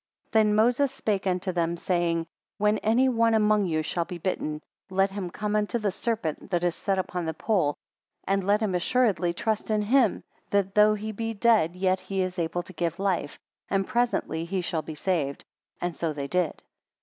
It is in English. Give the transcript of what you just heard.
11 Then Moses spake unto them, saying: when any one among you shall be bitten, let him come unto the serpent that is set upon the pole; and let him assuredly trust in him, that though he be dead, yet he is able to give life, and presently he shall be saved; and so they did.